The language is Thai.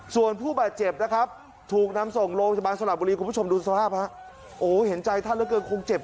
ส่วนผู้บาดโขมเจ็บทุกน้ำโรงโพยบาลสละบุรีคุณผู้ชมดูสภาพ